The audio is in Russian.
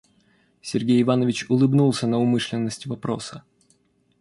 Сергей Иванович улыбнулся на умышленность вопроса.